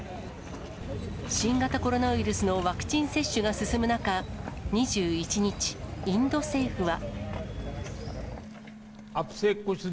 新型コロナウイルスのワクチン接種が進む中、２１日、インド政府は。